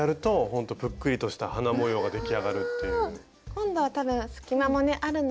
今度は多分隙間もねあるので。